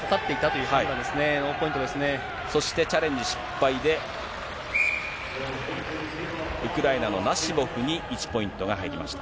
そしてチャレンジ失敗で、ウクライナのナシボフに１ポイントが入りました。